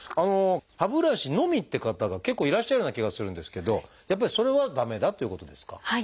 歯ブラシのみって方が結構いらっしゃるような気がするんですけどやっぱりそれは駄目だということですか？